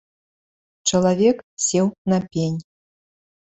Чалавек сеў на пень.